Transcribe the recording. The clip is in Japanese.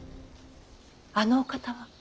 あのお方は？